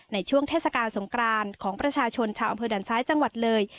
ในช่วงเทศกาลสงกรานของประชาชนชาวอำเภอด่านซ้ายจังหวัดเลย